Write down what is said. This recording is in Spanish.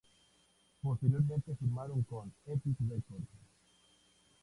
Posteriormente firmaron con Epic Records.